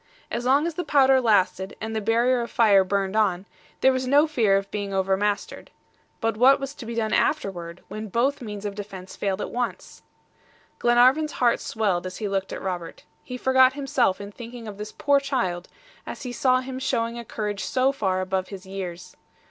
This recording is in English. As long as the powder lasted and the barrier of fire burned on, there was no fear of being overmastered. But what was to be done afterward, when both means of defense failed at once? Glenarvan's heart swelled as he looked at Robert. He forgot himself in thinking of this poor child, as he saw him showing a courage so far above his years.